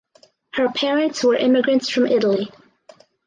Her parents were immigrants from Italy.